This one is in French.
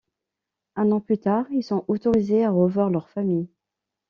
Un an plus tard, ils sont autorisés à revoir leurs familles.